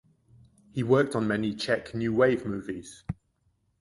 He worked on many Czech New Wave movies.